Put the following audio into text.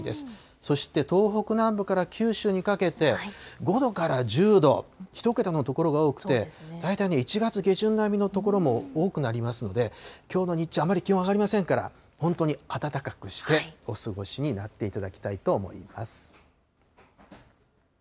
そして東北南部から九州にかけて、５度から１０度、１桁の所が多くて、大体１月下旬並みの所も多くなりますので、きょうの日中、あまり気温上がりませんから、本当に暖かくしてお過ごしになっていただきたいと思います。